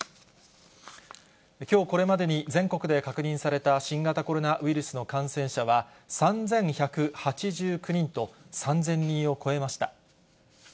きょう、これまでに全国で確認された新型コロナウイルスの感染者は３１８９人と、３０００人を超えました。